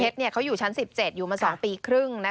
เขาอยู่ชั้น๑๗อยู่มา๒ปีครึ่ง